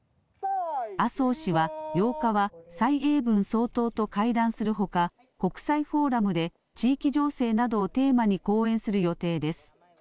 麻生氏は、８日は蔡英文総統と会談するほか、国際フォーラムで地域情勢などをテーマに講演する予定です。